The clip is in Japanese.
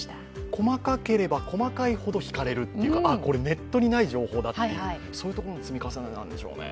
細かければ細かいほどひかれるというか、これ、ネットにない情報だというそういうところの積み重ねなんでしょうね。